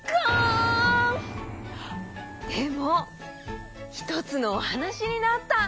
でもひとつのおはなしになった！